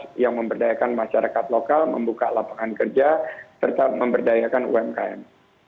untuk yang memberdayakan masyarakat lokal membuka lapangan kerja serta memberdayakan umkm